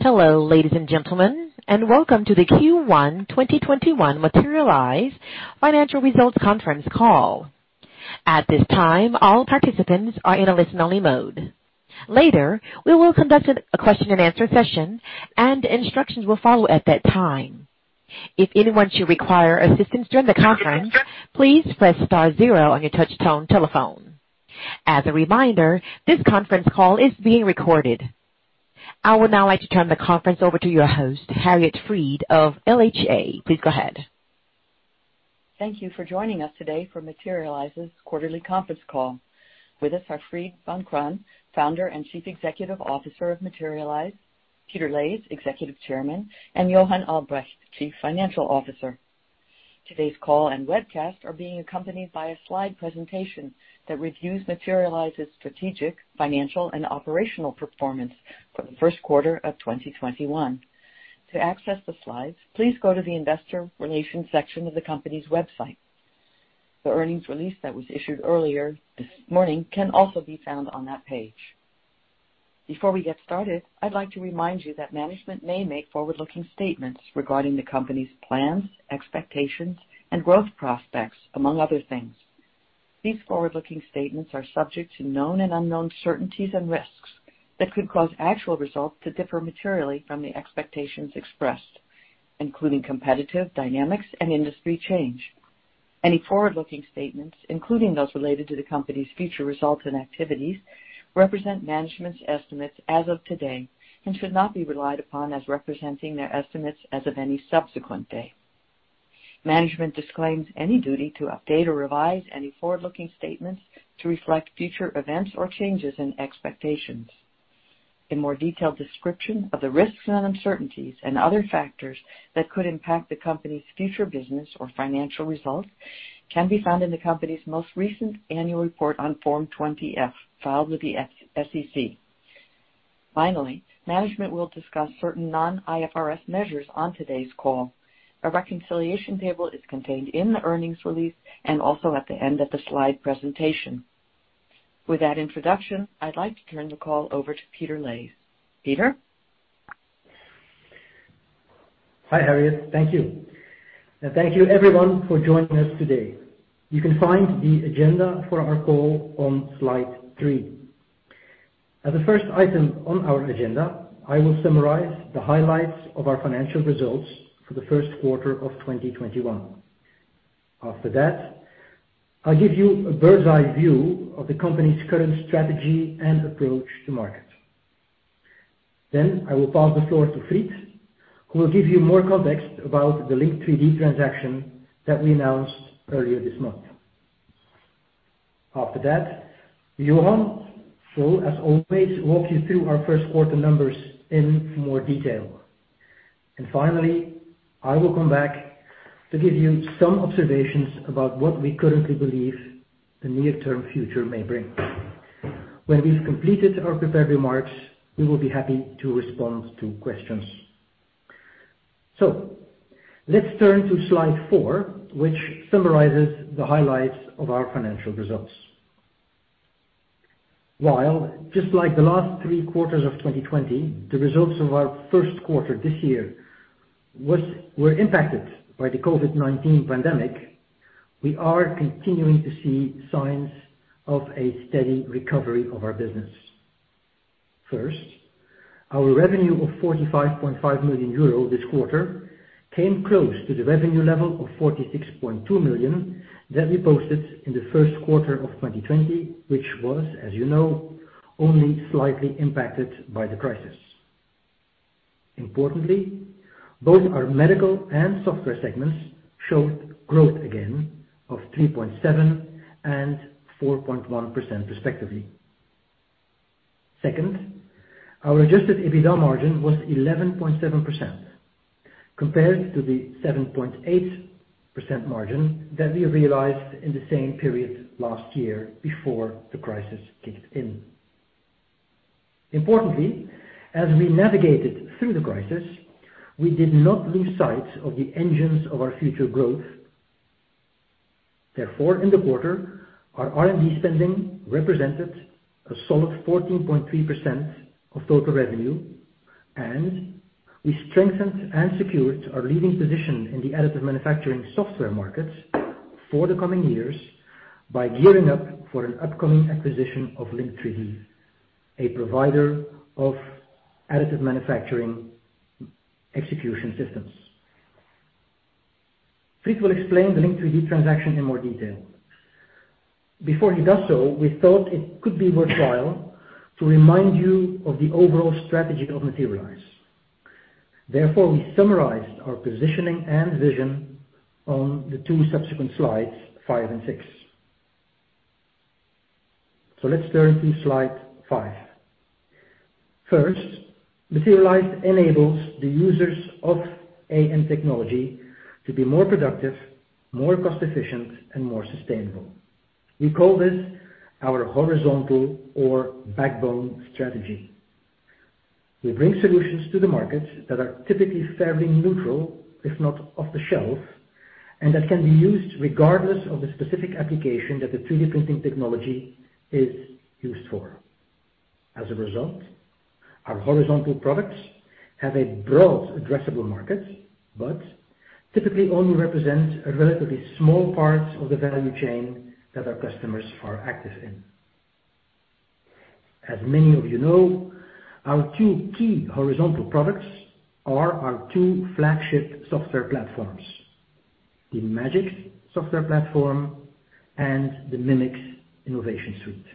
Hello, ladies and gentlemen, welcome to the Q1 2021 Materialise Financial Results conference call. At this time, all participants are in a listen-only mode. Later, we will conduct a question-and-answer session. Instructions will follow at that time. If anyone should require assistance during the conference, please press star zero on your touch-tone telephone. As a reminder, this conference call is being recorded. I would now like to turn the conference over to your host, Harriet Fried of LHA. Please go ahead. Thank you for joining us today for Materialise's quarterly conference call. With us are Wilfried Vancraen, Founder and Chief Executive Officer of Materialise, Peter Leys, Executive Chairman, and Johan Albrecht, Chief Financial Officer. Today's call and webcast are being accompanied by a slide presentation that reviews Materialise's strategic, financial, and operational performance for the first quarter of 2021. To access the slides, please go to the investor relations section of the company's website. The earnings release that was issued earlier this morning can also be found on that page. Before we get started, I'd like to remind you that management may make forward-looking statements regarding the company's plans, expectations, and growth prospects, among other things. These forward-looking statements are subject to known and unknown uncertainties and risks that could cause actual results to differ materially from the expectations expressed, including competitive dynamics and industry change. Any forward-looking statements, including those related to the company's future results and activities, represent management's estimates as of today and should not be relied upon as representing their estimates as of any subsequent day. Management disclaims any duty to update or revise any forward-looking statements to reflect future events or changes in expectations. A more detailed description of the risks and uncertainties and other factors that could impact the company's future business or financial results can be found in the company's most recent annual report on Form 20-F filed with the SEC. Finally, management will discuss certain non-IFRS measures on today's call. A reconciliation table is contained in the earnings release and also at the end of the slide presentation. With that introduction, I'd like to turn the call over to Peter Leys. Peter? Hi, Harriet. Thank you. Thank you, everyone, for joining us today. You can find the agenda for our call on slide three. As the first item on our agenda, I will summarize the highlights of our financial results for the first quarter of 2021. After that, I'll give you a bird's-eye view of the company's current strategy and approach to market. I will pass the floor to Fried, who will give you more context about the Link3D transaction that we announced earlier this month. After that, Johan will, as always, walk you through our first quarter numbers in more detail. Finally, I will come back to give you some observations about what we currently believe the near-term future may bring. When we've completed our prepared remarks, we will be happy to respond to questions. Let's turn to slide four, which summarizes the highlights of our financial results. While just like the last three quarters of 2020, the results of our first quarter this year were impacted by the COVID-19 pandemic, we are continuing to see signs of a steady recovery of our business. First, our revenue of 45.5 million euro this quarter came close to the revenue level of 46.2 million that we posted in the first quarter of 2020, which was, as you know, only slightly impacted by the crisis. Importantly, both our Medical and Software segments showed growth again of 3.7% and 4.1%, respectively. Second, our adjusted EBITDA margin was 11.7% compared to the 7.8% margin that we realized in the same period last year before the crisis kicked in. Importantly, as we navigated through the crisis, we did not lose sight of the engines of our future growth. In the quarter, our R&D spending represented a solid 14.3% of total revenue, and we strengthened and secured our leading position in the additive manufacturing software market for the coming years by gearing up for an upcoming acquisition of Link3D, a provider of additive manufacturing execution systems. Fried will explain the Link3D transaction in more detail. Before he does so, we thought it could be worthwhile to remind you of the overall strategy of Materialise. We summarized our positioning and vision on the two subsequent slides, five and six. Let's turn to slide five. First, Materialise enables the users of AM technology to be more productive, more cost-efficient, and more sustainable. We call this our horizontal or backbone strategy. We bring solutions to the markets that are typically fairly neutral, if not off-the-shelf. That can be used regardless of the specific application that the 3D printing technology is used for. Our horizontal products have a broad addressable market, but typically only represent a relatively small part of the value chain that our customers are active in. As many of you know, our two key horizontal products are our two flagship software platforms, the Magics software platform and the Mimics Innovation Suite.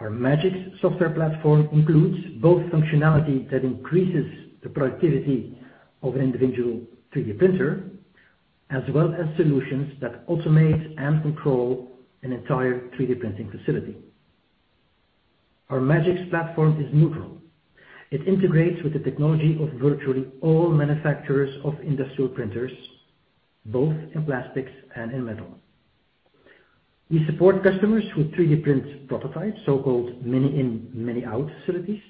Our Magics software platform includes both functionality that increases the productivity of an individual 3D printer, as well as solutions that automate and control an entire 3D printing facility. Our Magics platform is neutral. It integrates with the technology of virtually all manufacturers of industrial printers, both in plastics and in metal. We support customers who 3D print prototypes, so-called many-in/many-out facilities,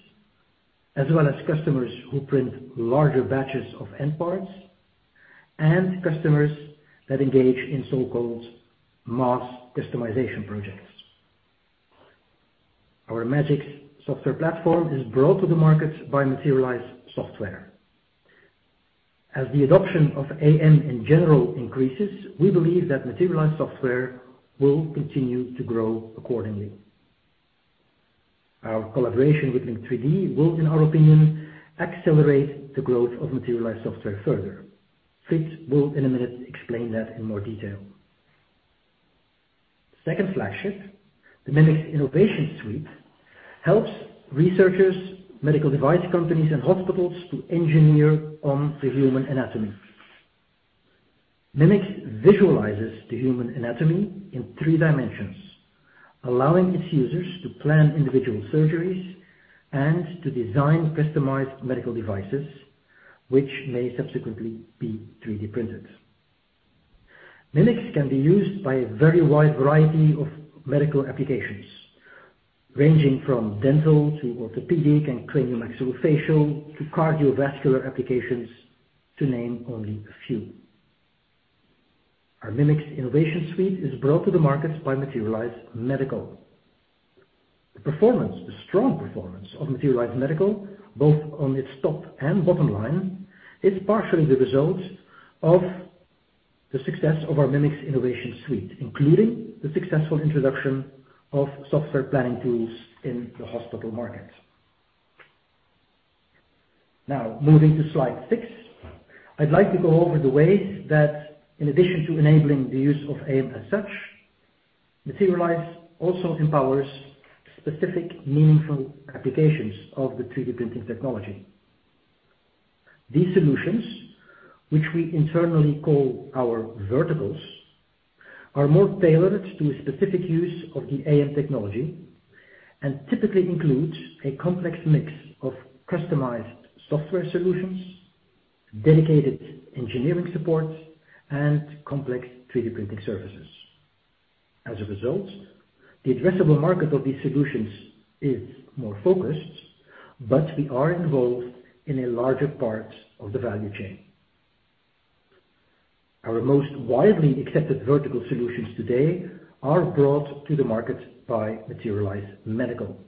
as well as customers who print larger batches of end products, and customers that engage in so-called mass customization projects. Our Magics software platform is brought to the market by Materialise Software. As the adoption of AM in general increases, we believe that Materialise Software will continue to grow accordingly. Our collaboration with Link3D will, in our opinion, accelerate the growth of Materialise Software further. Fried will, in a minute, explain that in more detail. Second flagship, the Mimics Innovation Suite, helps researchers, medical device companies, and hospitals to engineer on the human anatomy. Mimics visualizes the human anatomy in three dimensions, allowing its users to plan individual surgeries and to design customized medical devices, which may subsequently be 3D printed. Mimics can be used by a very wide variety of medical applications, ranging from dental to orthopedic and cranio-maxillofacial to cardiovascular applications, to name only a few. Our Mimics Innovation Suite is brought to the market by Materialise Medical. The strong performance of Materialise Medical, both on its top and bottom line, is partially the result of the success of our Mimics Innovation Suite, including the successful introduction of software planning tools in the hospital market. Now, moving to slide six. I'd like to go over the ways that, in addition to enabling the use of AM as such, Materialise also empowers specific meaningful applications of the 3D printing technology. These solutions, which we internally call our verticals, are more tailored to a specific use of the AM technology and typically includes a complex mix of customized software solutions, dedicated engineering support, and complex 3D printing services. As a result, the addressable market of these solutions is more focused, but we are involved in a larger part of the value chain. Our most widely accepted vertical solutions today are brought to the market by Materialise Medical.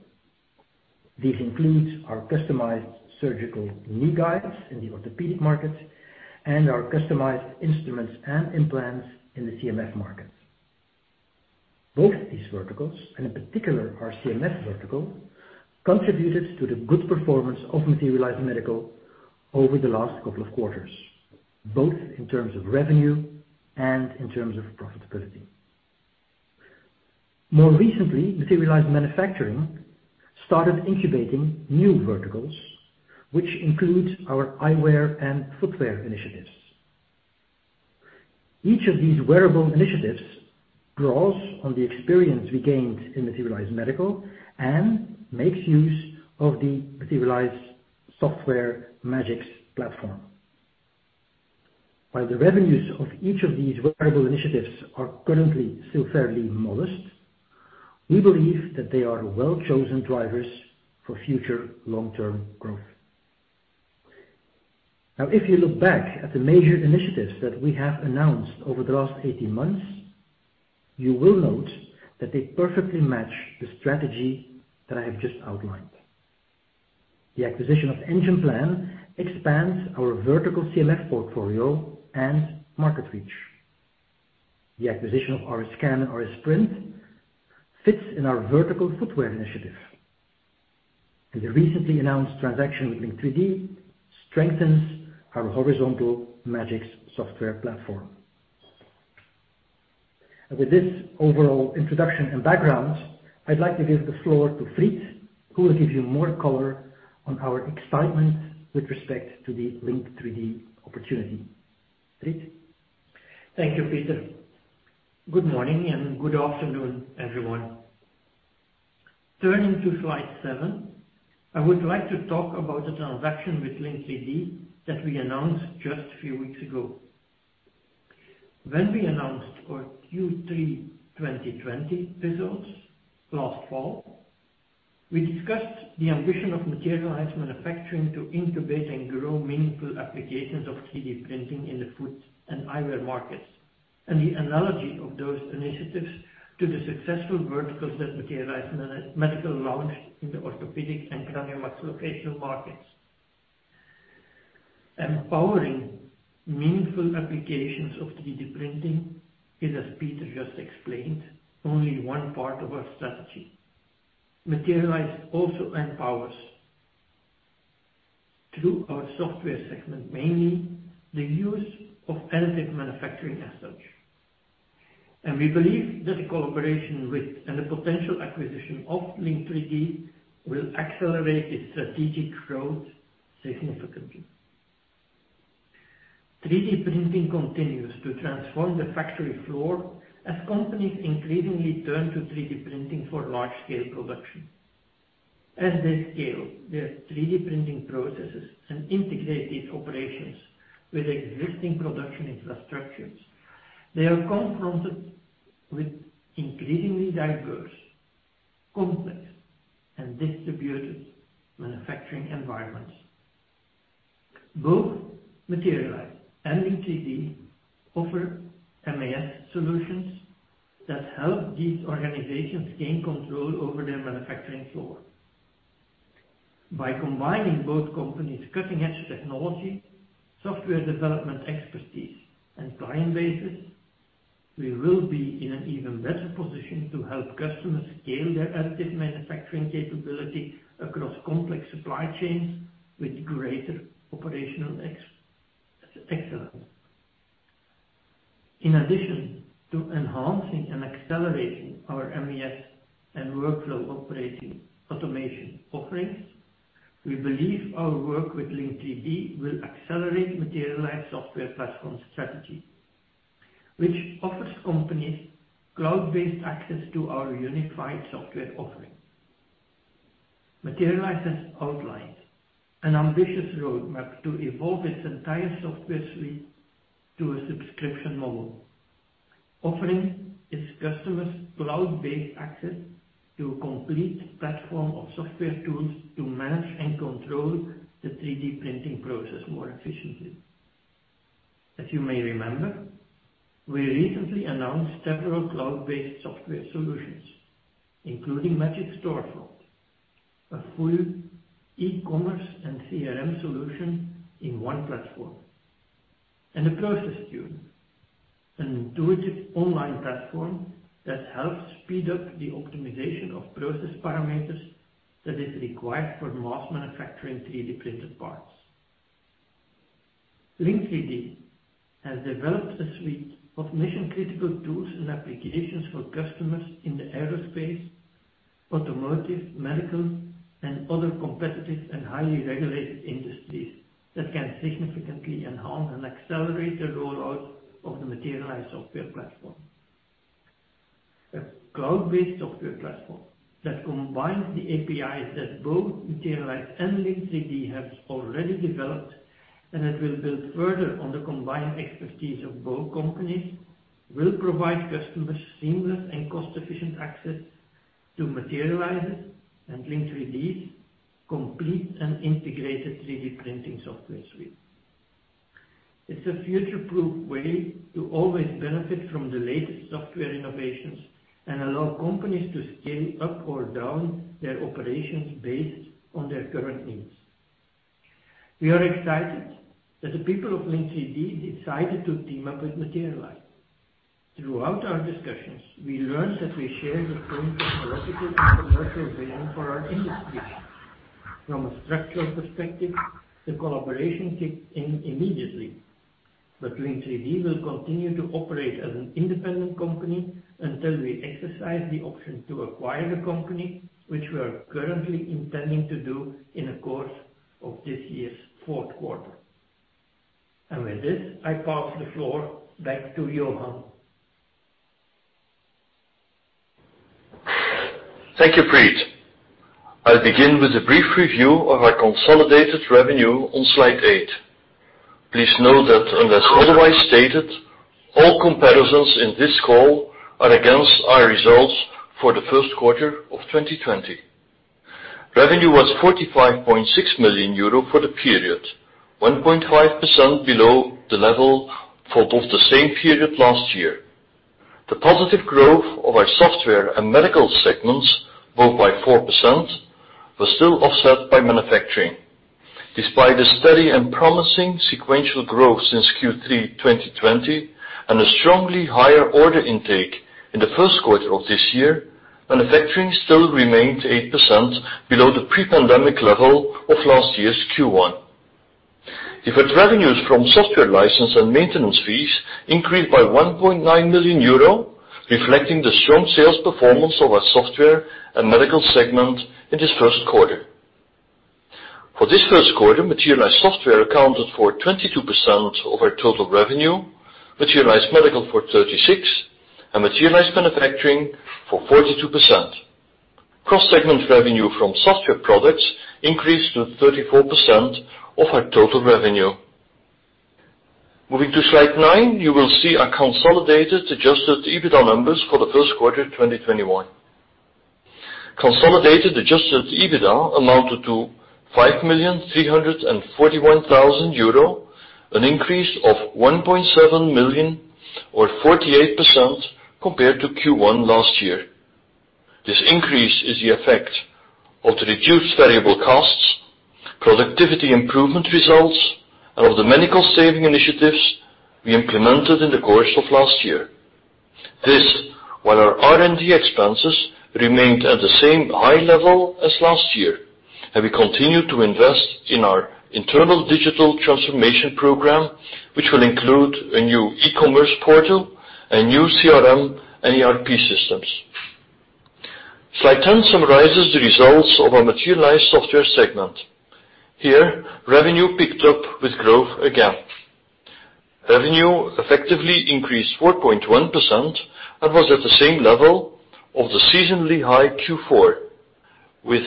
These include our customized surgical knee guides in the orthopedic market and our customized instruments and implants in the CMF market. Both these verticals, and in particular our CMF vertical, contributed to the good performance of Materialise Medical over the last couple of quarters, both in terms of revenue and in terms of profitability. More recently, Materialise Manufacturing started incubating new verticals, which include our eyewear and footwear initiatives. Each of these wearable initiatives draws on the experience we gained in Materialise Medical and makes use of the Materialise Software Magics platform. While the revenues of each of these wearable initiatives are currently still fairly modest, we believe that they are well-chosen drivers for future long-term growth. Now, if you look back at the major initiatives that we have announced over the last 18 months, you will note that they perfectly match the strategy that I have just outlined. The acquisition of Engimplan expands our vertical CMF portfolio and market reach. The acquisition of RSscan and RSPrint fits in our vertical footwear initiative. The recently announced transaction with Link3D strengthens our horizontal Magics software platform. With this overall introduction and background, I'd like to give the floor to Fried, who will give you more color on our excitement with respect to the Link3D opportunity. Fried? Thank you, Peter. Good morning and good afternoon, everyone. Turning to slide seven, I would like to talk about the transaction with Link3D that we announced just a few weeks ago. When we announced our Q3 2020 results last fall, we discussed the ambition of Materialise Manufacturing to incubate and grow meaningful applications of 3D printing in the foot and eyewear markets, and the analogy of those initiatives to the successful verticals that Materialise Medical launched in the orthopedic and cranio-maxillofacial markets. Empowering meaningful applications of 3D printing is, as Peter just explained, only one part of our strategy. Materialise also empowers through our Software segment, mainly the use of additive manufacturing as such. We believe that the collaboration with and the potential acquisition of Link3D will accelerate its strategic growth significantly. 3D printing continues to transform the factory floor as companies increasingly turn to 3D printing for large-scale production. As they scale their 3D printing processes and integrate these operations with existing production infrastructures, they are confronted with increasingly diverse, complex, and distributed manufacturing environments. Both Materialise and Link3D offer MES solutions that help these organizations gain control over their manufacturing floor. By combining both companies' cutting-edge technology, software development expertise, and client bases, we will be in an even better position to help customers scale their additive manufacturing capability across complex supply chains with greater operational excellence. In addition to enhancing and accelerating our MES and workflow operating automation offerings, we believe our work with Link3D will accelerate Materialise Software platform strategy, which offers companies cloud-based access to our unified software offering. Materialise has outlined an ambitious roadmap to evolve its entire software suite to a subscription model, offering its customers cloud-based access to a complete platform of software tools to manage and control the 3D printing process more efficiently. As you may remember, we recently announced several cloud-based software solutions, including Magics Storefront, a full e-commerce and CRM solution in one platform, and the Process Tuner, an intuitive online platform that helps speed up the optimization of process parameters that is required for mass manufacturing 3D-printed parts. Link3D has developed a suite of mission-critical tools and applications for customers in the aerospace, automotive, medical, and other competitive and highly regulated industries that can significantly enhance and accelerate the rollout of the Materialise Software platform. A cloud-based software platform that combines the APIs that both Materialise and Link3D have already developed, and it will build further on the combined expertise of both companies, will provide customers seamless and cost-efficient access to Materialise's and Link3D's complete and integrated 3D printing software suite. It's a future-proof way to always benefit from the latest software innovations and allow companies to scale up or down their operations based on their current needs. We are excited that the people of Link3D decided to team up with Materialise. Throughout our discussions, we learned that we share the same technological and commercial vision for our industry. From a structural perspective, the collaboration kicks in immediately. Link3D will continue to operate as an independent company until we exercise the option to acquire the company, which we are currently intending to do in the course of this year's fourth quarter. With this, I pass the floor back to Johan. Thank you, Fried. I'll begin with a brief review of our consolidated revenue on slide eight. Please note that unless otherwise stated, all comparisons in this call are against our results for the first quarter of 2020. Revenue was 45.6 million euro for the period, 1.5% below the level for both the same period last year. The positive growth of our Software and Medical segments, both by 4%, was still offset by Manufacturing. Despite the steady and promising sequential growth since Q3 2020 and a strongly higher order intake in the first quarter of this year, Manufacturing still remained 8% below the pre-pandemic level of last year's Q1. Deferred revenues from Software license and maintenance fees increased by 1.9 million euro, reflecting the strong sales performance of our Software and Medical segment in this first quarter. For this first quarter, Materialise Software accounted for 22% of our total revenue, Materialise Medical for 36%, and Materialise Manufacturing for 42%. Cross-segment revenue from Software products increased to 34% of our total revenue. Moving to slide nine, you will see our consolidated adjusted EBITDA numbers for the first quarter 2021. Consolidated adjusted EBITDA amounted to 5,341,000 euro, an increase of 1.7 million or 48% compared to Q1 last year. This increase is the effect of the reduced variable costs, productivity improvement results, and of the medical saving initiatives we implemented in the course of last year. This, while our R&D expenses remained at the same high level as last year, and we continued to invest in our internal digital transformation program, which will include a new e-commerce portal and new CRM and ERP systems. Slide 10 summarizes the results of our Materialise Software segment. Here, revenue picked up with growth again. Revenue effectively increased 4.1% and was at the same level of the seasonally high Q4, with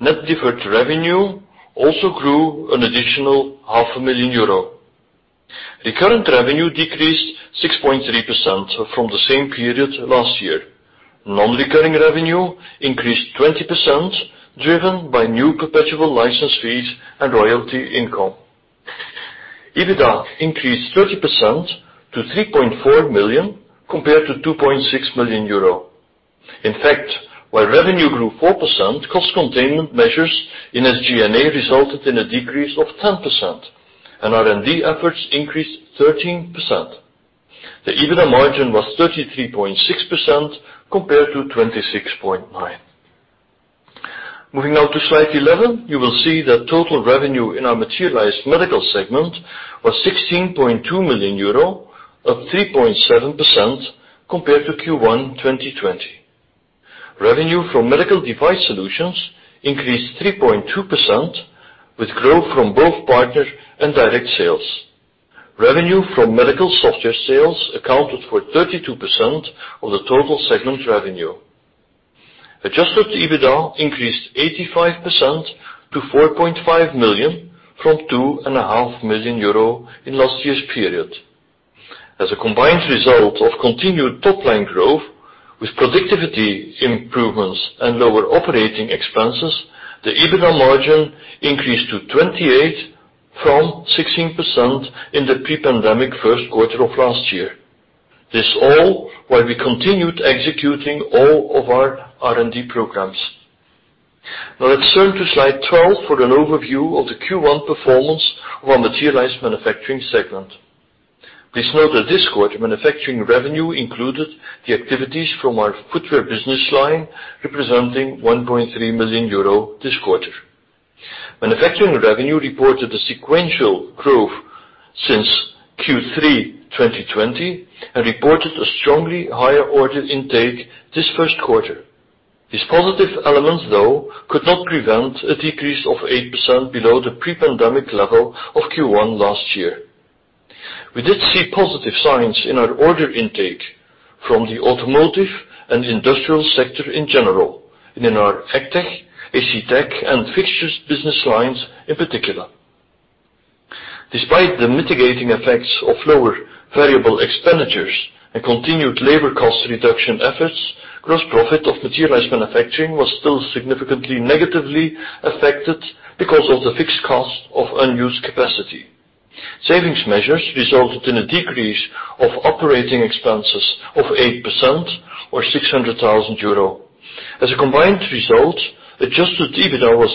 net deferred revenue also grew an additional 500,000 euro. Recurrent revenue decreased 6.3% from the same period last year. Non-recurring revenue increased 20%, driven by new perpetual license fees and royalty income. EBITDA increased 30% to 3.4 million compared to 2.6 million euro. In fact, while revenue grew 4%, cost containment measures in SG&A resulted in a decrease of 10%, and R&D efforts increased 13%. The EBITDA margin was 33.6% compared to 26.9%. Moving now to slide 11, you will see that total revenue in our Materialise Medical segment was 16.2 million euro, up 3.7% compared to Q1 2020. Revenue from medical device solutions increased 3.2% with growth from both partners and direct sales. Revenue from medical software sales accounted for 32% of the total segment revenue. Adjusted EBITDA increased 85% to 4.5 million from 2.5 million euro in last year's period. As a combined result of continued top-line growth with productivity improvements and lower operating expenses, the EBITDA margin increased to 28% from 16% in the pre-pandemic first quarter of last year. This all while we continued executing all of our R&D programs. Let's turn to slide 12 for an overview of the Q1 performance of our Materialise Manufacturing segment. Please note that this quarter, Manufacturing revenue included the activities from our footwear business line, representing 1.3 million euro this quarter. Manufacturing revenue reported a sequential growth since Q3 2020 and reported a strongly higher order intake this first quarter. These positive elements, though, could not prevent a decrease of 8% below the pre-pandemic level of Q1 last year. We did see positive signs in our order intake from the automotive and industrial sector in general and in our ACTech and fixtures business lines in particular. Despite the mitigating effects of lower variable expenditures and continued labor cost reduction efforts, gross profit of Materialise Manufacturing was still significantly negatively affected because of the fixed cost of unused capacity. Savings measures resulted in a decrease of operating expenses of 8% or 600,000 euro. As a combined result, adjusted EBITDA was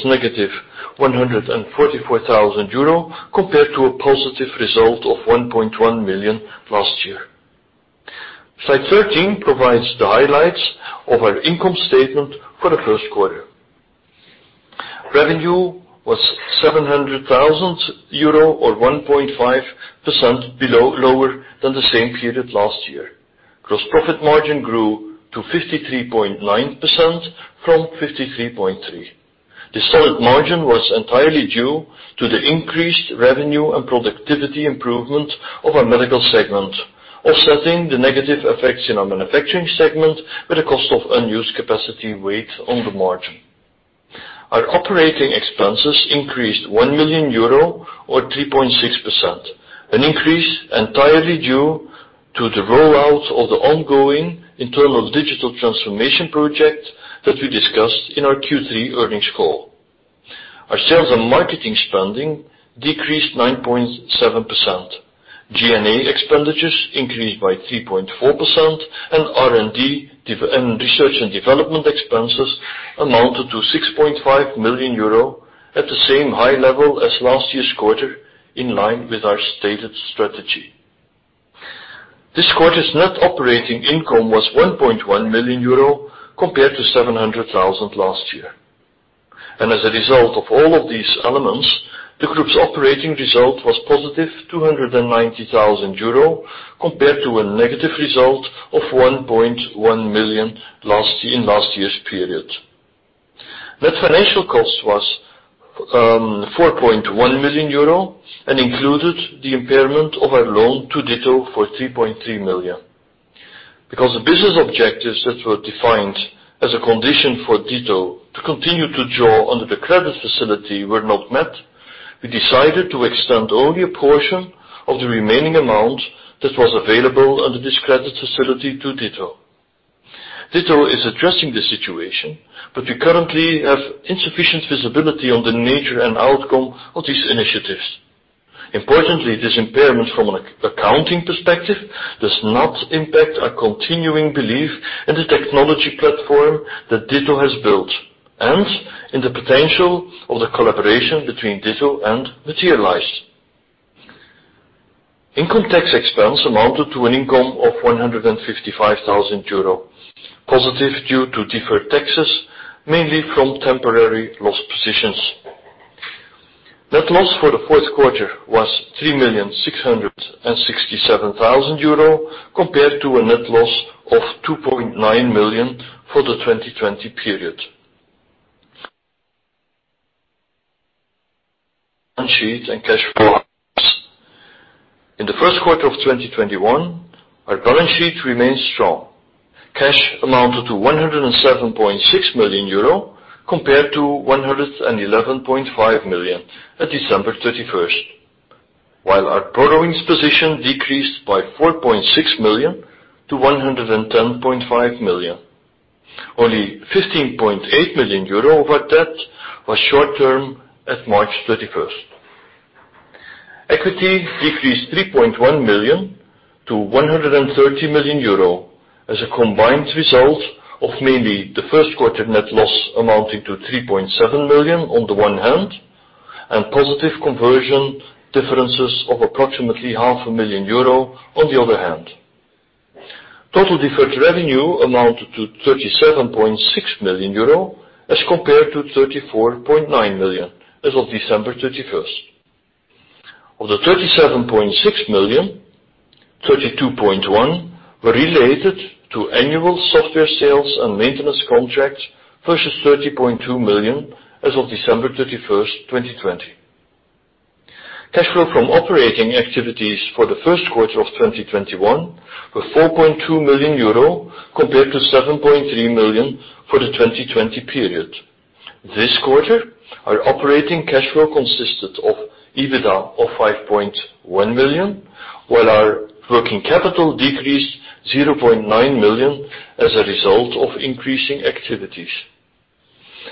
-144,000 euro compared to a positive result of 1.1 million last year. Slide 13 provides the highlights of our income statement for the first quarter. Revenue was 700,000 euro, or 1.5% below, lower than the same period last year. Gross profit margin grew to 53.9% from 53.3%. This solid margin was entirely due to the increased revenue and productivity improvement of our Materialise Medical segment, offsetting the negative effects in our Materialise Manufacturing segment, with a cost of unused capacity weight on the margin. Our operating expenses increased 1 million euro or 3.6%, an increase entirely due to the rollout of the ongoing internal digital transformation project that we discussed in our Q3 earnings call. Our sales and marketing spending decreased 9.7%. G&A expenditures increased by 3.4%, R&D and research and development expenses amounted to 6.5 million euro at the same high level as last year's quarter, in line with our stated strategy. This quarter's net operating income was 1.1 million euro compared to 700,000 last year. As a result of all of these elements, the group's operating result was +290,000 euro compared to a negative result of 1.1 million in last year's period. Net financial cost was 4.1 million euro and included the impairment of our loan to Ditto for 3.3 million. Because the business objectives that were defined as a condition for Ditto to continue to draw under the credit facility were not met, we decided to extend only a portion of the remaining amount that was available under this credit facility to Ditto. Ditto is addressing the situation, but we currently have insufficient visibility on the nature and outcome of these initiatives. Importantly, this impairment from an accounting perspective does not impact our continuing belief in the technology platform that Ditto has built and in the potential of the collaboration between Ditto and Materialise. Income tax expense amounted to an income of 155,000 euro, positive due to deferred taxes, mainly from temporary loss positions. Net loss for the fourth quarter was 3,667,000 euro compared to a net loss of 2.9 million for the 2020 period. Balance sheet and cash flow. In the first quarter of 2021, our balance sheet remains strong. Cash amounted to 107.6 million euro compared to 111.5 million at December 31st, while our borrowings position decreased by 4.6 million to 110.5 million. Only 15.8 million euro of our debt was short-term at March 31st. Equity decreased 3.1 million to 130 million euro as a combined result of mainly the first quarter net loss amounting to 3.7 million on the one hand, and positive conversion differences of approximately 500,000 euro on the other hand. Total deferred revenue amounted to 37.6 million euro as compared to 34.9 million as of December 31st. Of the 37.6 million, 32.1 million were related to annual software sales and maintenance contracts versus 30.2 million as of December 31st, 2020. Cash flow from operating activities for the first quarter of 2021 were 4.2 million euro compared to 7.3 million for the 2020 period. This quarter, our operating cash flow consisted of EBITDA of 5.1 million, while our working capital decreased 0.9 million as a result of increasing activities.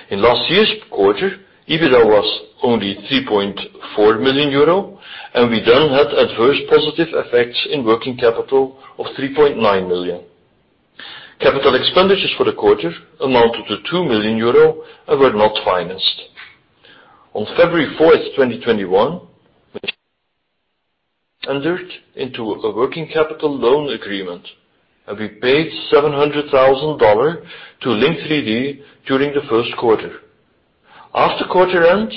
In last year's quarter, EBITDA was only 3.4 million euro, and we then had adverse positive effects in working capital of 3.9 million. Capital expenditures for the quarter amounted to 2 million euro and were not financed. On February 4th, 2021, Materialise entered into a working capital loan agreement, and we paid $700,000 to Link3D during the first quarter. After quarter end,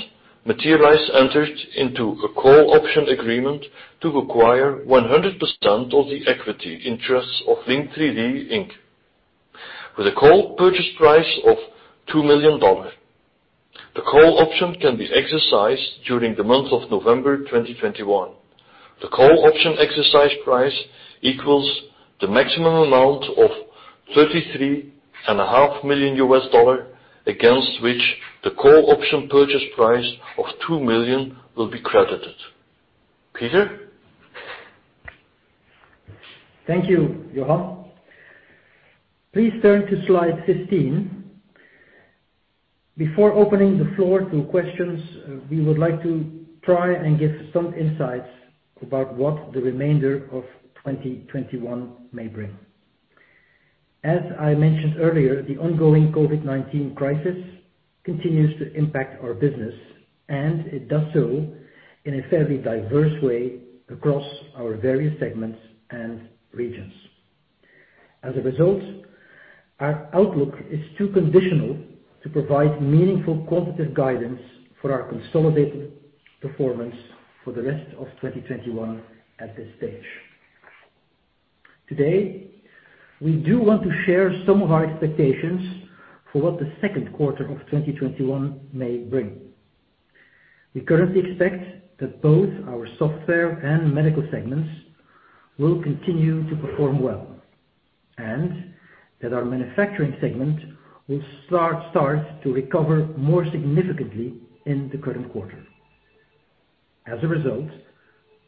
Materialise entered into a call option agreement to acquire 100% of the equity interests of Link3D Inc. With a call purchase price of $2 million. The call option can be exercised during the month of November 2021. The call option exercise price equals the maximum amount of $33.5 million, against which the call option purchase price of $2 million will be credited. Peter? Thank you, Johan. Please turn to slide 15. Before opening the floor to questions, we would like to try and give some insights about what the remainder of 2021 may bring. As I mentioned earlier, the ongoing COVID-19 crisis continues to impact our business, and it does so in a fairly diverse way across our various segments and regions. As a result, our outlook is too conditional to provide meaningful quantitative guidance for our consolidated performance for the rest of 2021 at this stage. Today, we do want to share some of our expectations for what the second quarter of 2021 may bring. We currently expect that both our Software and Medical segments will continue to perform well, and that our Manufacturing segment will start to recover more significantly in the current quarter. As a result,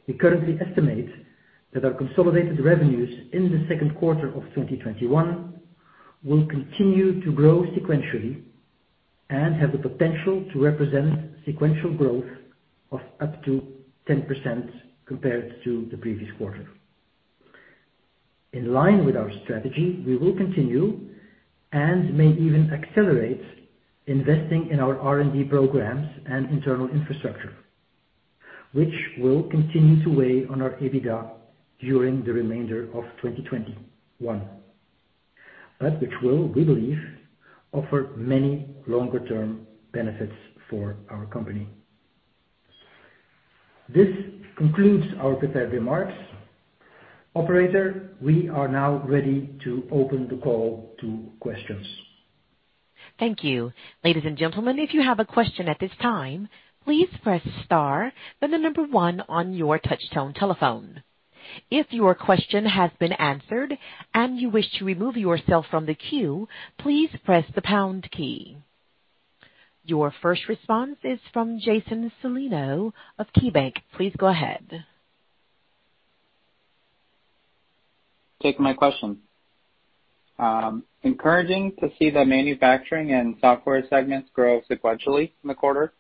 we currently estimate that our consolidated revenues in the second quarter of 2021 will continue to grow sequentially and have the potential to represent sequential growth of up to 10% compared to the previous quarter. In line with our strategy, we will continue and may even accelerate investing in our R&D programs and internal infrastructure, which will continue to weigh on our EBITDA during the remainder of 2021, but which will, we believe, offer many longer-term benefits for our company This concludes our prepared remarks. Operator, we are now ready to open the call to questions. Thank you, ladies and gentlemen. If you have a question at this time, please press star and the number one on your touchtone telephone. If your question has been answered and you wish to remove yourself from the queue, please press the pound key. Your first response is from Jason Celino of KeyBanc. Please go ahead. Taking my question. Encouraging to see the Manufacturing and Software segments grow sequentially in the quarter.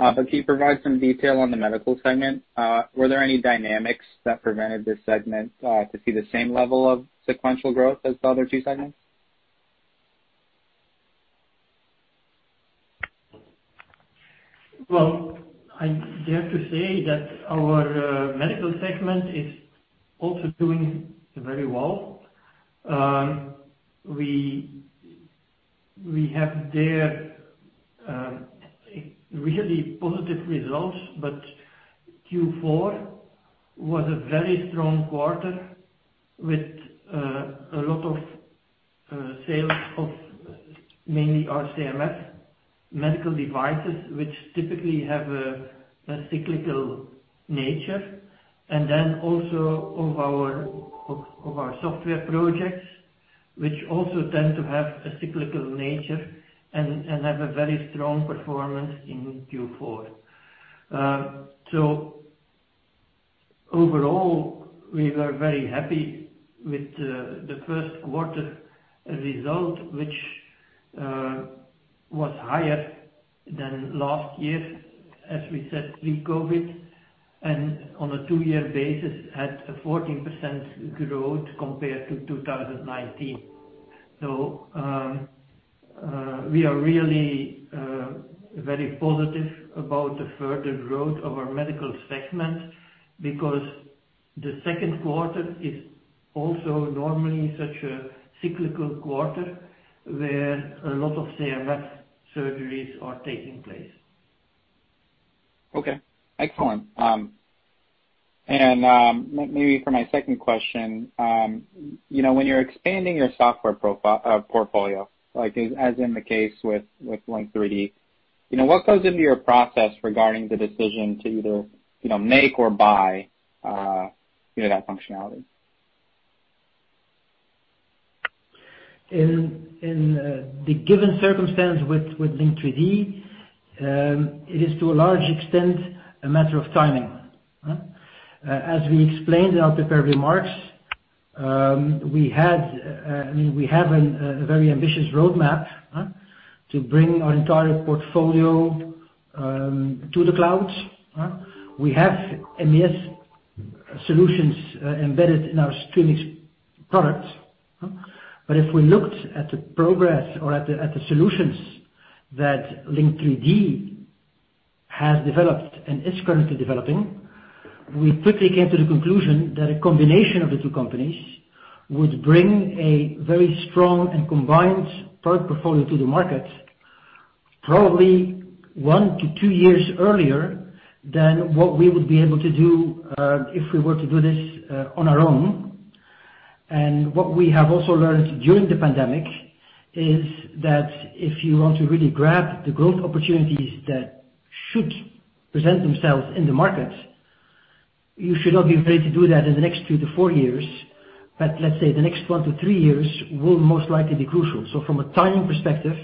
Can you provide some detail on the Medical segment? Were there any dynamics that prevented this segment to see the same level of sequential growth as the other two segments? Well, I dare to say that our Medical segment is also doing very well. We have there really positive results. Q4 was a very strong quarter with a lot of sales of mainly our CMF medical devices, which typically have a cyclical nature, and then also of our software projects, which also tend to have a cyclical nature and have a very strong performance in Q4. Overall, we were very happy with the first quarter result, which was higher than last year, as we said, pre-COVID-19, and on a two-year basis, had a 14% growth compared to 2019. We are really very positive about the further growth of our Medical segment because the second quarter is also normally such a cyclical quarter where a lot of CMF surgeries are taking place. Okay, excellent. Maybe for my second question, when you're expanding your Software portfolio, as in the case with Link3D, what goes into your process regarding the decision to either make or buy that functionality? In the given circumstance with Link3D, it is to a large extent a matter of timing. As we explained in our prepared remarks, we have a very ambitious roadmap to bring our entire portfolio to the cloud. We have MES solutions embedded in our Streamics product. If we looked at the progress or at the solutions that Link3D has developed and is currently developing, we quickly came to the conclusion that a combination of the two companies would bring a very strong and combined product portfolio to the market, probably one to two years earlier than what we would be able to do if we were to do this on our own. What we have also learned during the pandemic is that if you want to really grab the growth opportunities that should present themselves in the market, you should not be ready to do that in the next two to four years. Let's say the next one to three years will most likely be crucial. From a timing perspective,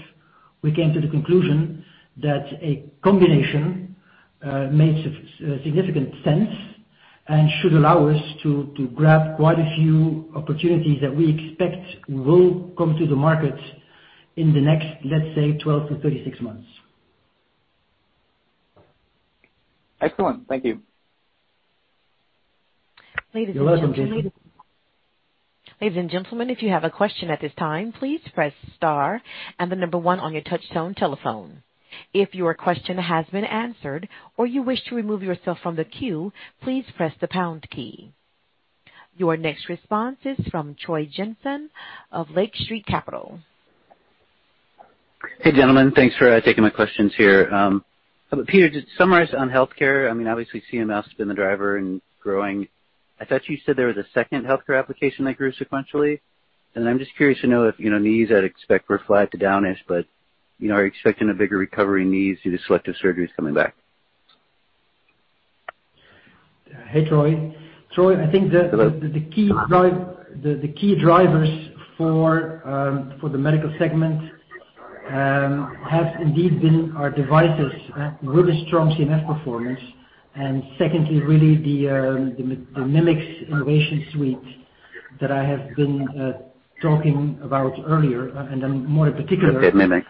we came to the conclusion that a combination makes significant sense and should allow us to grab quite a few opportunities that we expect will come to the market in the next, let's say, 12-36 months. Excellent. Thank you. You're welcome, Jason. Ladies and gentlemen, if you have a question at this time, please press star and the number one on your touchtone telephone. If your question has been answered or you wish to remove yourself from the queue, please press the pound key. Your next response is from Troy Jensen of Lake Street Capital. Hey, gentlemen. Thanks for taking my questions here. Peter, just summarize on healthcare. Obviously, CMF has been the driver and growing. I thought you said there was a second healthcare application that grew sequentially. I'm just curious to know if knees I'd expect were flat to down-ish, but are you expecting a bigger recovery in knees due to selective surgeries coming back? Hey, Troy, I think the key drivers for the Medical segment have indeed been our devices, really strong CMF performance, and secondly, really the Mimics Innovation Suite that I have been talking about earlier. Okay, Mimics.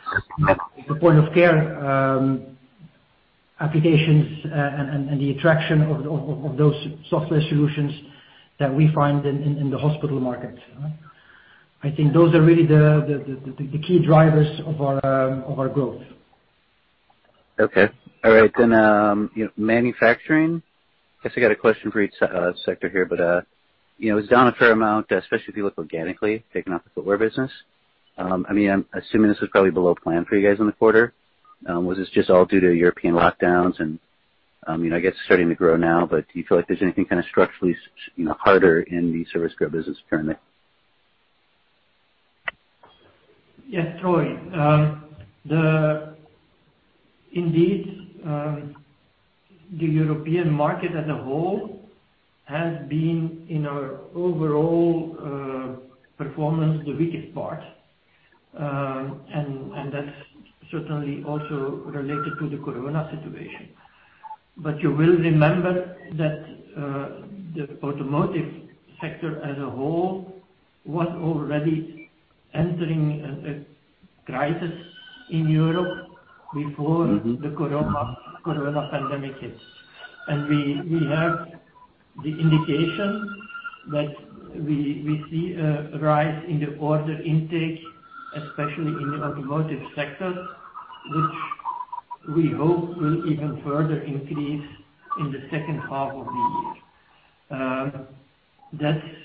The point of care applications, and the attraction of those software solutions that we find in the hospital market. I think those are really the key drivers of our growth. Okay. All right. Manufacturing, I guess I got a question for each sector here, but it's down a fair amount, especially if you look organically, taking off the footwear business. I'm assuming this is probably below plan for you guys in the quarter. Was this just all due to European lockdowns, and I guess it's starting to grow now, but do you feel like there's anything structurally harder in the service grow business currently? Yes, Troy. Indeed, the European market as a whole has been, in our overall performance, the weakest part. That's certainly also related to the corona situation. You will remember that the automotive sector as a whole was already entering a crisis in Europe before. The corona pandemic hits. We have the indication that we see a rise in the order intake, especially in the automotive sector, which we hope will even further increase in the second half of the year.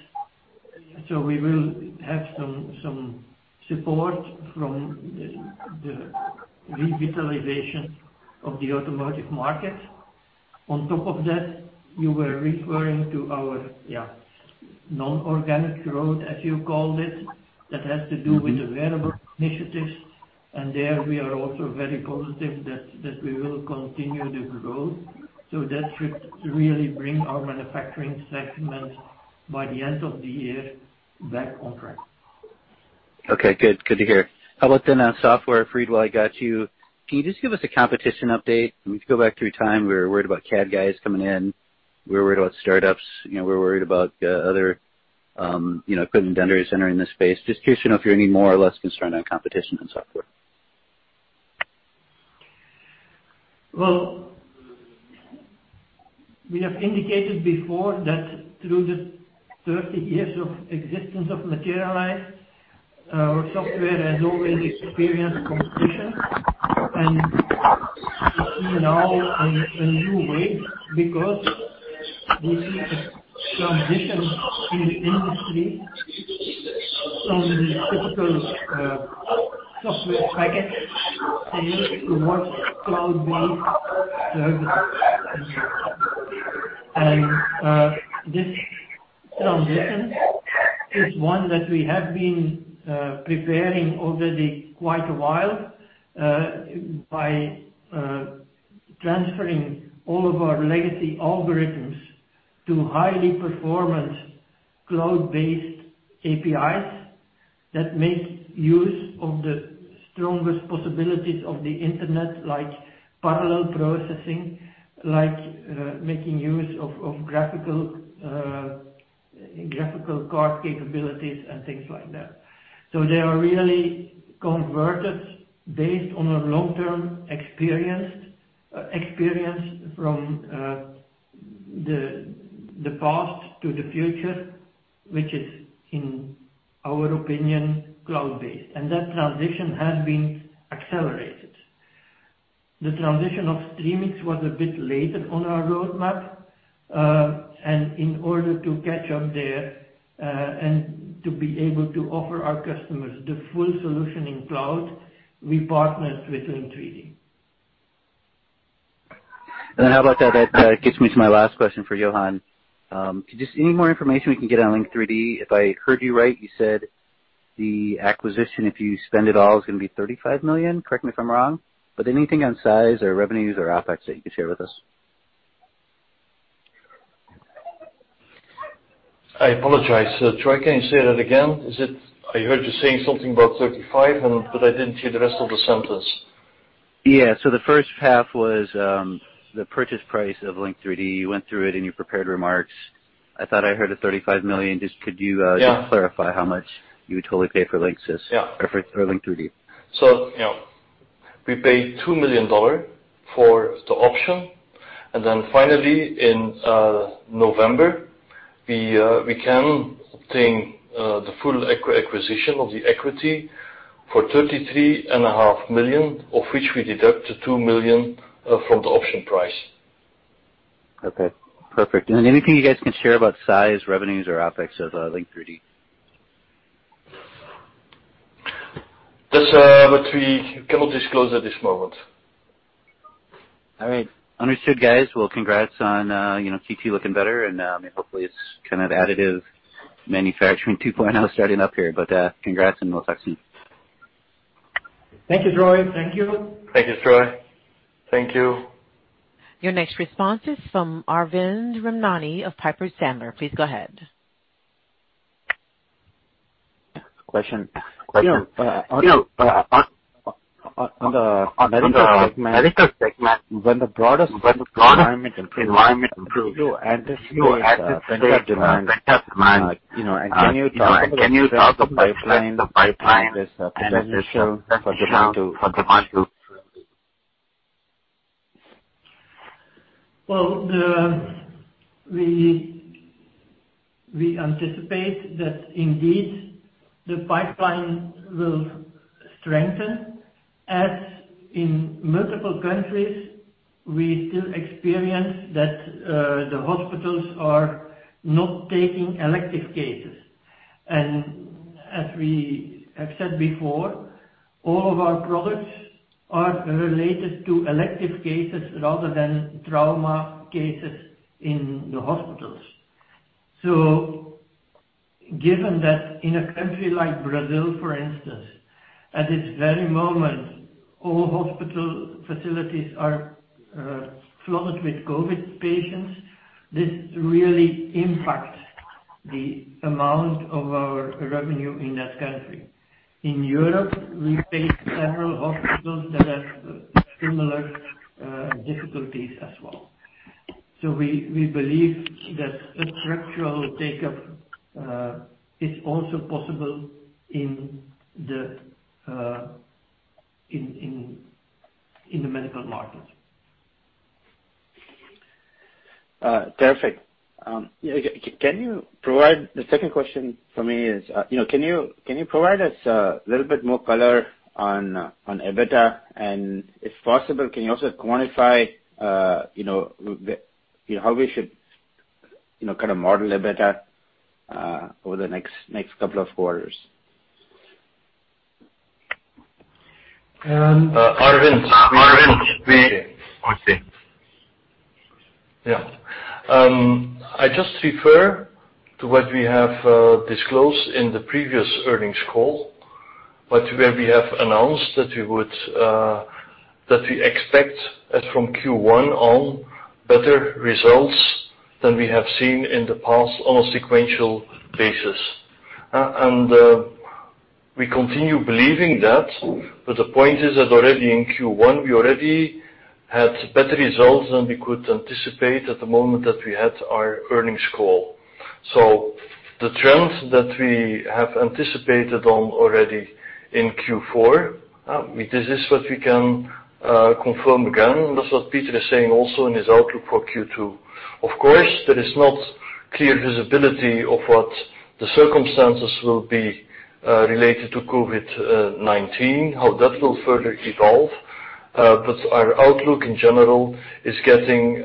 We will have some support from the revitalization of the automotive market. On top of that, you were referring to our non-organic growth, as you called it that has to do with available initiatives. There we are also very positive that we will continue the growth. That should really bring our Manufacturing segment, by the end of the year, back on track. Okay, good to hear. How about then on software, Fried, while I got you, can you just give us a competition update? If we go back through time, we were worried about CAD guys coming in. We were worried about startups. We're worried about other equipment vendors entering this space. Just curious to know if you're any more or less concerned on competition and software. Well, we have indicated before that through the 30 years of existence of Materialise, our software has always experienced competition, and we see now a new wave, because we see some difference in the industry from the typical software package sales towards cloud-based services. This transition is one that we have been preparing already quite a while, by transferring all of our legacy algorithms to highly performant cloud-based APIs that make use of the strongest possibilities of the internet, like parallel processing, like making use of graphical card capabilities and things like that. They are really converted based on a long-term experience from the past to the future, which is, in our opinion, cloud-based. That transition has been accelerated. The transition of Streamics was a bit later on our roadmap, and in order to catch up there and to be able to offer our customers the full solution in cloud, we partnered with Link3D. How about that? That gets me to my last question for Johan. Any more information we can get on Link3D? If I heard you right, you said the acquisition, if you spend it all, is going to be 35 million. Correct me if I'm wrong, but anything on size or revenues or OpEx that you could share with us? I apologize. Troy, can you say that again? I heard you saying something about 35, but I didn't hear the rest of the sentence. Yeah. The first half was the purchase price of Link3D. You went through it in your prepared remarks. I thought I heard a $35 million. Just could you just clarify how much you would totally pay for Link3D? We paid EUR 2 million for the option. Finally, in November, we can obtain the full acquisition of the equity for 33.5 million, of which we deduct the 2 million from the option price. Okay, perfect. Anything you guys can share about size, revenues, or OpEx of Link3D? That's what we cannot disclose at this moment. All right. Understood, guys. Well, congrats on Q2 looking better. Hopefully, it's kind of additive manufacturing 2.0 starting up here. Congrats, and we'll talk soon. Thank you, Troy. Thank you. Thank you, Troy. Thank you. Your next response is from Arvind Ramnani of Piper Sandler. Please go ahead. Question on the Medical segment: When the broader environment improves, do you anticipate pent-up demand? Can you talk about the pipeline you have for this pent-up demand for 3D printing? Well, we anticipate that indeed the pipeline will strengthen, as in multiple countries, we still experience that the hospitals are not taking elective cases. As we have said before, all of our products are related to elective cases rather than trauma cases in the hospitals. Given that in a country like Brazil, for instance, at this very moment, all hospital facilities are flooded with COVID patients, this really impacts the amount of our revenue in that country. In Europe, we face several hospitals that have similar difficulties as well. We believe that a structural takeoff is also possible in the medical markets. Terrific. The second question for me is, can you provide us a little bit more color on EBITDA? If possible, can you also quantify how we should model EBITDA over the next couple of quarters? Arvind? Arvind, we- Okay. Yeah. I just refer to what we have disclosed in the previous earnings call, where we have announced that we expect, from Q1 on, better results than we have seen in the past on a sequential basis. We continue believing that. The point is that already in Q1, we already had better results than we could anticipate at the moment that we had our earnings call. The trends that we have anticipated on already in Q4, this is what we can confirm again. That's what Peter is saying also in his outlook for Q2. Of course, there is not clear visibility of what the circumstances will be related to COVID-19, how that will further evolve. Our outlook, in general, is getting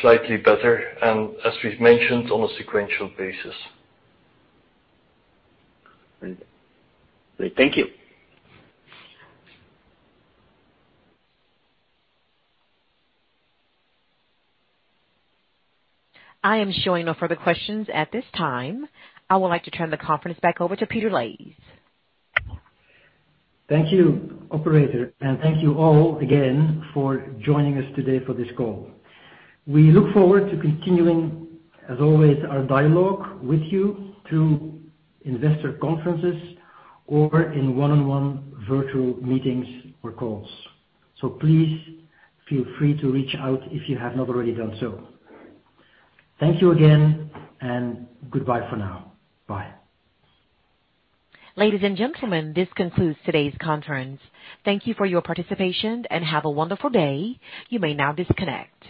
slightly better, and as we've mentioned, on a sequential basis. Great. Thank you. I am showing no further questions at this time. I would like to turn the conference back over to Peter Leys. Thank you, Operator. Thank you all again for joining us today for this call. We look forward to continuing, as always, our dialogue with you through investor conferences or in one-on-one virtual meetings or calls. Please feel free to reach out if you have not already done so. Thank you again, and goodbye for now. Bye. Ladies and gentlemen, this concludes today's conference. Thank you for your participation, and have a wonderful day. You may now disconnect.